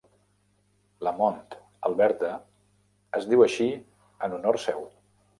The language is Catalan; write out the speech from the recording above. Lamont, Alberta, es diu així en honor seu.